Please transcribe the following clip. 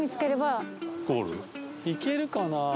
行けるかな？